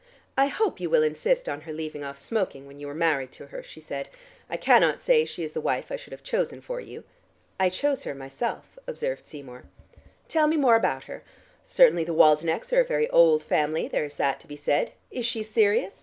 "I hope you will insist on her leaving off smoking when you are married to her," she said. "I cannot say she is the wife I should have chosen for you." "I chose her myself," observed Seymour. "Tell me more about her. Certainly the Waldenechs are a very old family, there is that to be said. Is she serious?